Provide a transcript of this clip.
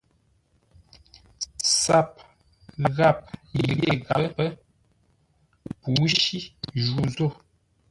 SAP ghap yé ghapə́; pǔshí ju zô.